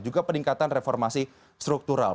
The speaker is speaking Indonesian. juga peningkatan reformasi struktural